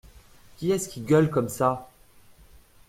Qui est-ce qui gueule comme ça !